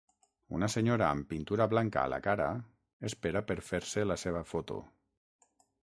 Una senyora amb pintura blanca a la cara espera per fer-se la seva foto.